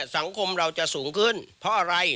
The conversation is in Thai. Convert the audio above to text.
สังคมเราจะสูงขึ้นเพราะอะไร